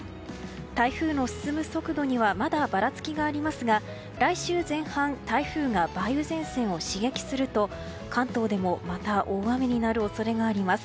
台風の進む速度にはまだ、ばらつきがありますが来週前半台風が梅雨前線を刺激すると関東でもまた大雨になる恐れがあります。